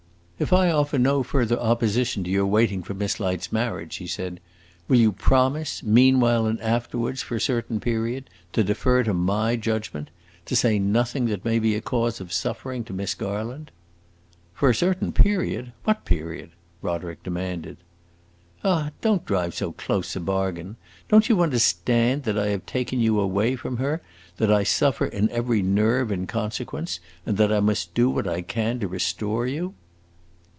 "If I offer no further opposition to your waiting for Miss Light's marriage," he said, "will you promise, meanwhile and afterwards, for a certain period, to defer to my judgment to say nothing that may be a cause of suffering to Miss Garland?" "For a certain period? What period?" Roderick demanded. "Ah, don't drive so close a bargain! Don't you understand that I have taken you away from her, that I suffer in every nerve in consequence, and that I must do what I can to restore you?"